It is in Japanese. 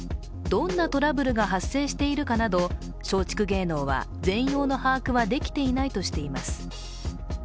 どんなトラブルが発生しているかなど松竹芸能は全容の把握はできていないとしています。